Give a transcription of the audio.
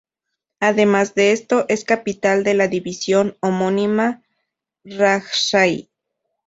Además de esto, es capital de la división homónima Rajshahi.